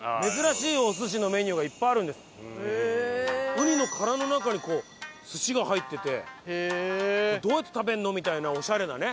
うにの殻の中にこう寿司が入っててどうやって食べるの？みたいなオシャレなね。